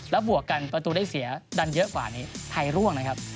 แล้วบวกกันประตูได้เสียดันเยอะกว่านี้ไทยร่วงนะครับ